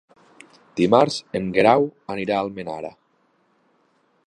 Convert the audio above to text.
Dimarts en Guerau anirà a Almenara.